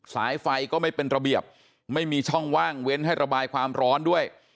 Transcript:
สายไฟก็ไม่เป็นระเบียบไม่มีช่องว่างเว้นให้ระบายความร้อนด้วย